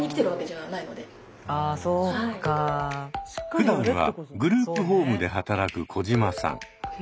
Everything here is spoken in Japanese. ふだんはグループホームで働く小島さん。